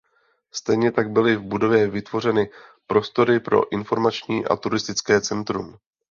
Stejně tak byly v budově vytvořeny prostory pro informační a turistické centrum.